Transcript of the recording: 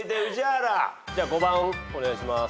じゃあ５番お願いします。